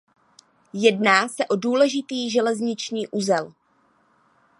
Jedná se o důležitý železniční uzel.